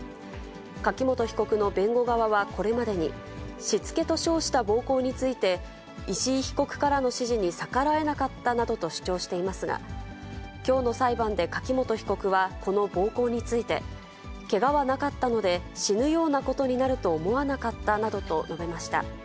柿本被告の弁護側はこれまでに、しつけと称した暴行について、石井被告からの指示に逆らえなかったなどと主張していますが、きょうの裁判で柿本被告は、この暴行について、けがはなかったので、死ぬようなことになると思わなかったなどと述べました。